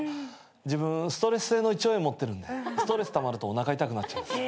自分ストレス性の胃腸炎持ってるんでストレスたまるとおなか痛くなっちゃうんです。